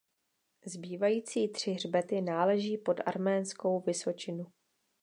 Zbývající tři hřbety náleží pod Arménskou vysočinu.